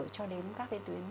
cho đến các cái tuyến